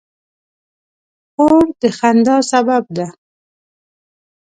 خور د خندا سبب ده.